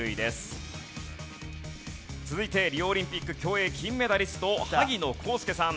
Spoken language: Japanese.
続いてリオオリンピック競泳金メダリスト萩野公介さん。